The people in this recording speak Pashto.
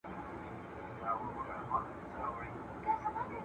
نسیم پرون له خراباته وو خبر راوړی